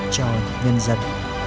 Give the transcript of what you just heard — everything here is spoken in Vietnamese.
cho nhân dân